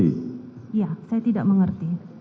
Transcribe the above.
iya saya tidak mengerti